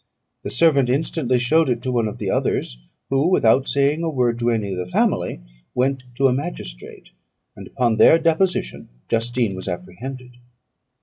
The servant instantly showed it to one of the others, who, without saying a word to any of the family, went to a magistrate; and, upon their deposition, Justine was apprehended.